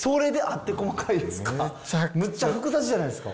めっちゃ複雑じゃないですか。